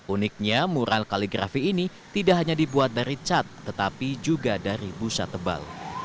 uniknya mural kaligrafi ini tidak hanya dibuat dari cat tetapi juga dari busa tebal